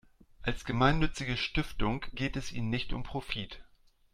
Als gemeinnützige Stiftung geht es ihnen nicht um Profit.